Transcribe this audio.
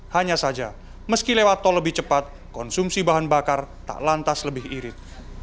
hanya saja meski lewat tol lebih cepat konsumsi bahan bakar tak lantas lebih irit